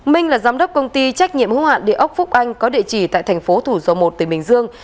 minh là giám đốc công ty trách nhiệm hữu hạn địa ốc phúc anh có địa chỉ tại thành phố thủ dầu một tỉnh bình dương